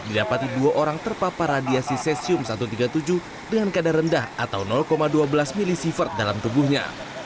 didapati dua orang terpapar radiasi cesium satu ratus tiga puluh tujuh dengan kadar rendah atau dua belas milisievert dalam tubuhnya